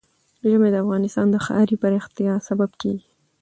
ژمی د افغانستان د ښاري پراختیا سبب کېږي.